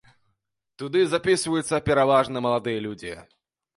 Туды запісваюцца пераважна маладыя людзі.